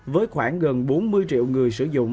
với khoảng gần bốn mươi triệu người sử dụng